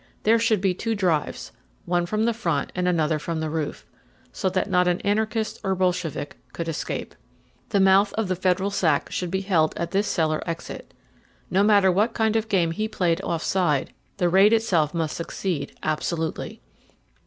There should be two drives one from the front and another from the roof so that not an anarchist or Bolshevik could escape. The mouth of the Federal sack should be held at this cellar exit. No matter what kind of game he played offside, the raid itself must succeed absolutely.